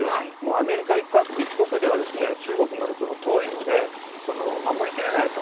アメリカ１国では中国まで遠いので守り切れないと。